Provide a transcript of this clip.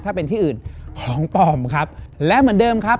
ถ้าเป็นที่อื่นของปลอมครับและเหมือนเดิมครับ